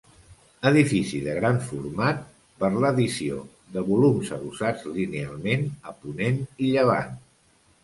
Edifici de gran format per l'addició de volums adossats linealment a ponent i llevant.